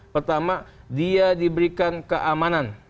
pertama dia diberikan keamanan